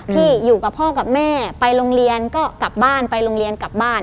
ที่อยู่กับพ่อกับแม่ไปโรงเรียนก็กลับบ้านไปโรงเรียนกลับบ้าน